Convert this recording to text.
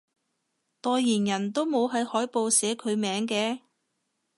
代言人都冇喺海報寫佢名嘅？